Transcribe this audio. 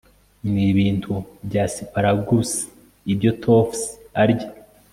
ni 'ibintu bya sparagus ibyo toffs arya